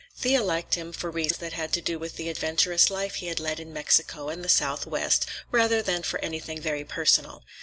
Thea liked him for reasons that had to do with the adventurous life he had led in Mexico and the Southwest, rather than for anything very personal.